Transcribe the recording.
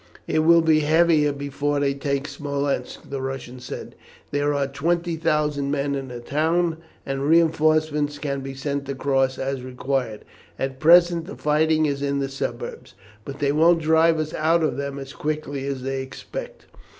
"It will be heavier before they take Smolensk," the Russian said. "There are 20,000 men in the town, and reinforcements can be sent across as required. At present the fighting is in the suburbs, but they won't drive us out of them as quickly as they expect."